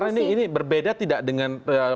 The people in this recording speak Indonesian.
karena ini berbeda tidak dengan misalnya